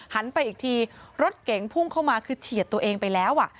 ไปอีกทีรถเก๋งพุ่งเข้ามาคือเฉียดตัวเองไปแล้ว